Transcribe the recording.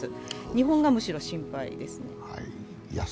日本がむしろ心配ですね。